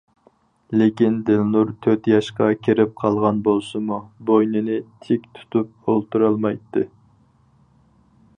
لېكىن دىلنۇر تۆت ياشقا كىرىپ قالغان بولسىمۇ، بوينىنى تىك تۇتۇپ ئولتۇرالمايتتى.